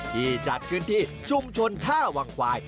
ที่จัดขึ้นที่ชุมชนท่าวังควาย